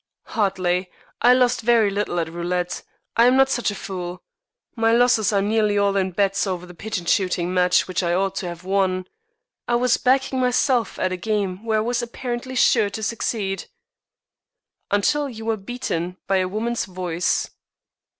"Hardly. I lost very little at roulette. I am not such a fool. My losses are nearly all in bets over the pigeon shooting match which I ought to have won. I was backing myself at a game where I was apparently sure to succeed." "Until you were beaten by a woman's voice."